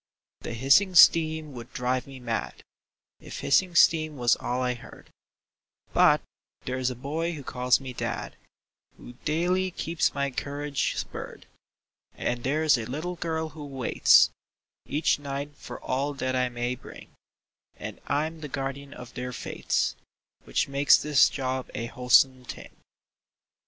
The hissing steam would drive me mad If hissing steam was all I heard; But there's a boy who calls me dad Who daily keeps my courage spurred; And there's a little girl who waits Each night for all that I may bring, And I'm the guardian of their fates, Which makes this job a wholesome thing.